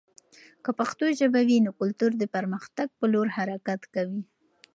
که پښتو ژبه وي، نو کلتور د پرمختګ په لور حرکت کوي.